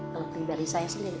kalau pribadi saya sendiri